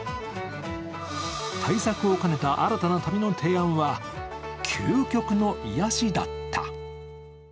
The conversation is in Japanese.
対策を兼ねた新たな旅の提案は究極の癒やしだった。